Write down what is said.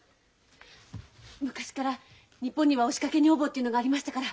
昔から日本には押しかけ女房っていうのがありましたから。